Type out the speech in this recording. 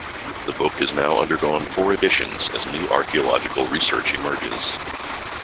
The book has now undergone four editions, as new archaeological research emerges.